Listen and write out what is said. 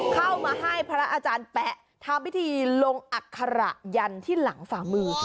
เข้ามาให้พระอาจารย์แป๊ะทำพิธีลงอัคระยันที่หลังฝ่ามือ